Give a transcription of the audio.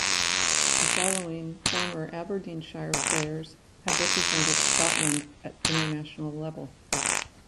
The following former Aberdeenshire players have represented Scotland at international level.